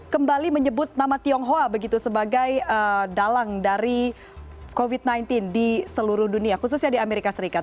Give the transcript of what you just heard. kembali menyebut nama tionghoa begitu sebagai dalang dari covid sembilan belas di seluruh dunia khususnya di amerika serikat